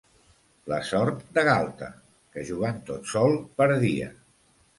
La sort de Galta, que jugant tot sol perdia.